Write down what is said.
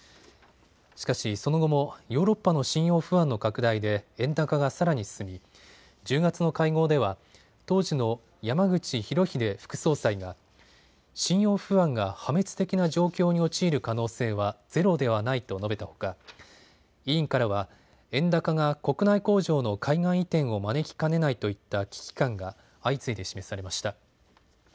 しかしその後もヨーロッパの信用不安の拡大で円高がさらに進み１０月の会合では当時の山口廣秀副総裁が信用不安が破滅的な状況に陥る可能性はゼロではないと述べたほか委員からは円高が国内工場の海外移転を招きかねないといった危機感が相次いで示されました。